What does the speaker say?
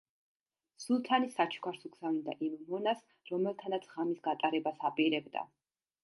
სულთანი საჩუქარს უგზავნიდა იმ მონას, რომელთანაც ღამის გატარებას აპირებდა.